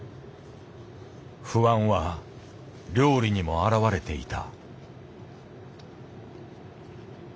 不安は料理にも表れていた。